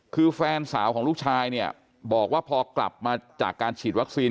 คือแฟนสาวของลูกชายเนี่ยบอกว่าพอกลับมาจากการฉีดวัคซีน